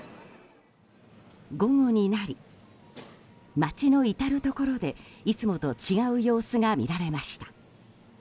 午後になり、街の至るところでいつもと違う様子が見られました。